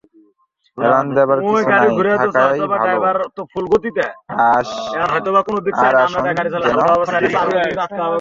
হেলান দেবার কিছু না থাকাই ভাল, আার আসন যেন দৃঢ় হয়।